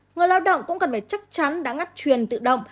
người lao động cũng cần phải chắc chắn đã ngắt truyền tự động